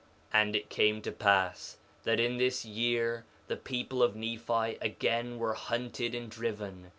2:20 And it came to pass that in this year the people of Nephi again were hunted and driven.